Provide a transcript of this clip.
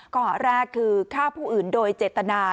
ข้อหาแรกคือฆ่าผู้อื่นโดยเจตนา